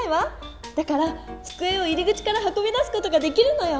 だからつくえを入り口からはこび出すことができるのよ！